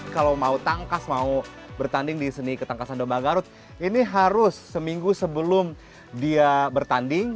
kalau mau tangkas mau bertanding di seni ketangkasan domba garut ini harus seminggu sebelum dia bertanding